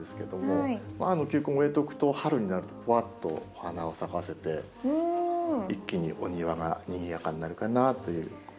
球根を植えておくと春になるとふわっとお花を咲かせて一気にお庭がにぎやかになるかなという。